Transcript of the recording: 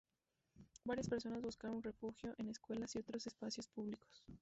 Varias personas buscaron refugio en escuelas y otros espacios públicos.